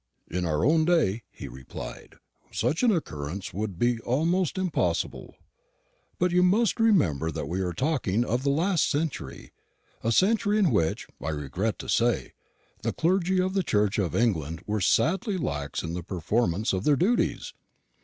"In our own day," he replied, "such an occurrence would be almost impossible; but you must remember that we are talking of the last century a century in which, I regret to say, the clergy of the Church of England were sadly lax in the performance of their duties.